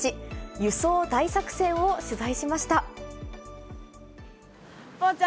輸送大作戦を取材しました。